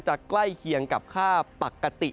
ใกล้เคียงกับค่าปกติ